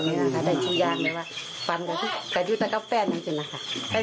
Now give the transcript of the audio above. ฟันดูแต่กาแฟสาเหมือนกี่นะคะพันจากไหนก็จะน้ำกาลนะคะอันนี้จะคดเอานี่ได้ไมักของดิวดิง